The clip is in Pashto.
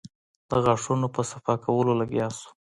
د غاښونو په صفا کولو لگيا سو.